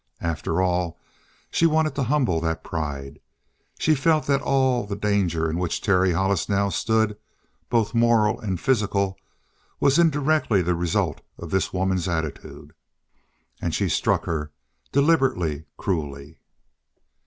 After all, she wanted to humble that pride. She felt that all the danger in which Terry Hollis now stood, both moral and physical, was indirectly the result of this woman's attitude. And she struck her, deliberately cruelly.